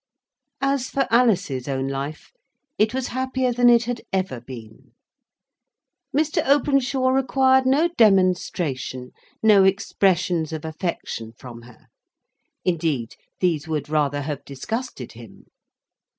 As for Alice's own life, it was happier than it had ever been. Mr. Openshaw required no demonstration, no expressions of affection from her. Indeed, these would rather have disgusted him.